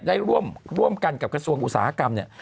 ได้ร่วมกันกับกระทรวงอุตสาหกรรมเนี่ย